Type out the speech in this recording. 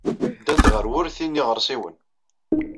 Ddant ɣer wurti n yiɣersiwen.